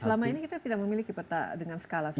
selama ini kita tidak memiliki peta dengan skala seperti